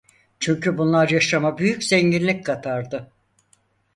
Çünkü bunlar yaşama büyük zenginlik katardı.